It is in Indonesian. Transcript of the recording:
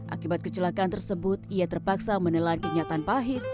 akibat kecelakaan tersebut ia terpaksa menelan kenyataan pahit